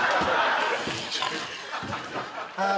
ああ。